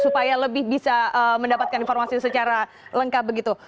supaya lebih bisa mendapatkan informasi secara lengkap begitu